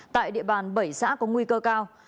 tại địa bàn bảy xã có nguy cơ cao